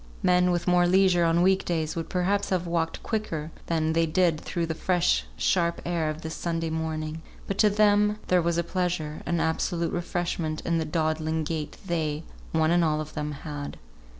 Men with more leisure on week days would perhaps have walked quicker than they did through the fresh sharp air of this Sunday morning; but to them there was a pleasure, an absolute refreshment in the dawdling gait they, one and all of them, had.